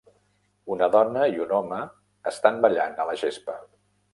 Una dona i un home estan ballant a la gespa.